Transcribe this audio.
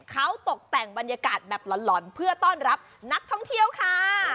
เขาตกแต่งบรรยากาศแบบหล่อนเพื่อต้อนรับนักท่องเที่ยวค่ะ